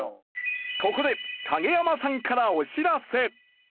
ここで影山さんからお知らせ！